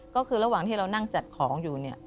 ก็คือระหว่างที่เรานั่งจัดของอยู่เนี่ย